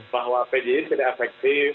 bahwa pjj tidak efektif